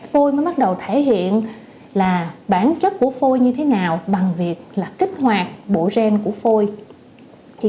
phôi mới bắt đầu thể hiện là bản chất của phôi như thế nào bằng việc là kích hoạt bộ gen của phôi